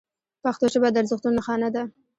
پښتو ژبه د ارزښتونو نښانه ده.